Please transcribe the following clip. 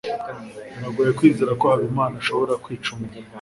biragoye kwizera ko habimana ashobora kwica umuntu